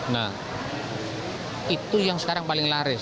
nah itu yang sekarang paling laris